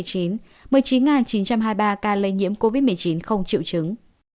một mươi chín chín trăm hai mươi ba ca lây nhiễm covid một mươi chín không triệu chứng